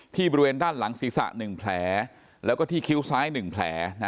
บริเวณด้านหลังศีรษะ๑แผลแล้วก็ที่คิ้วซ้าย๑แผล